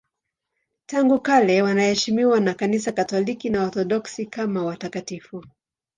Tangu kale wanaheshimiwa na Kanisa Katoliki na Waorthodoksi kama watakatifu.